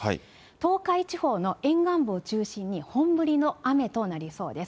東海地方の沿岸部を中心に、本降りの雨となりそうです。